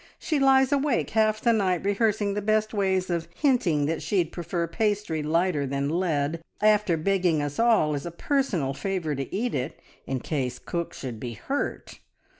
She lies awake half the night rehearsing the best ways of hinting that she'd prefer pastry lighter than lead, after begging us all as a personal favour to eat it in case cook should be hurt.